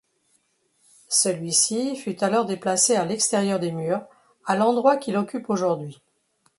Celui-ci fut alors déplacé à l'extérieur des murs, à l'endroit qu'il occupe aujourd'hui.